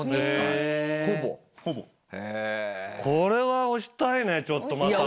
これは押したいねちょっとまた。